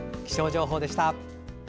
気象情報でした。